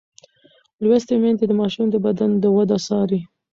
لوستې میندې د ماشوم د بدن د وده څاري.